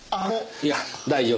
いや大丈夫。